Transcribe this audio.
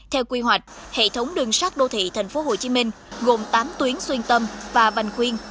theo quy hoạch hệ thống đường sát đô thị thành phố hồ chí minh gồm tám tuyến xuyên tâm và vành khuyên